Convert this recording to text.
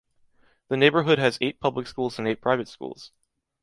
The neighborhood has eight public schools and eight private schools.